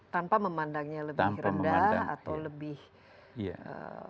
tanpa memandangnya lebih rendah atau lebih